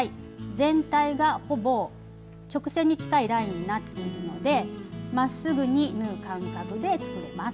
全体がほぼ直線に近いラインになっているのでまっすぐに縫う感覚で作れます。